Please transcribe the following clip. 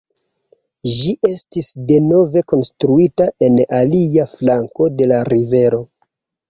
Ĝi estis denove konstruita en la alia flanko de la rivero.